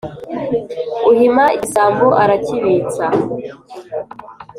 Uhima igisambo arakibitsa